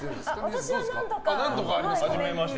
私は何度か。